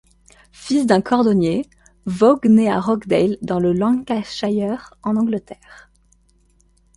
Fils d'un cordonnier, Waugh naît à Rochdale, dans le Lancashire en Angleterre.